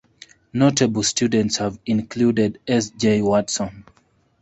Notable students have included S. J. Watson.